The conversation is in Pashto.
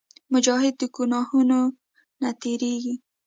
مجاهد د ګناهونو نه تېرېږي.